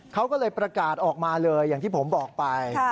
เขาก็เลยประกาศออกมาเลยอย่างที่ผมบอกไป